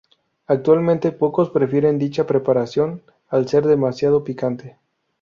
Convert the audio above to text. Actualmente pocos prefieren dicha preparación, al ser demasiado picante.